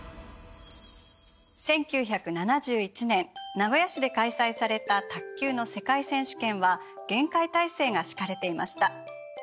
１９７１年名古屋市で開催された卓球の世界選手権は厳戒態勢が敷かれていました。